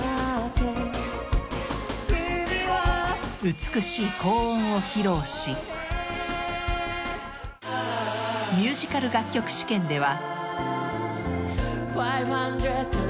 美しい高音を披露しミュージカル楽曲試験では